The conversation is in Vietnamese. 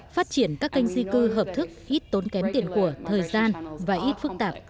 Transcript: phát triển các kênh di cư hợp thức ít tốn kém tiền của thời gian và ít phức tạp